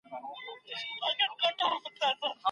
د ټولنې پرمختګ د تاریخ په پرتله ډیر مهم دی.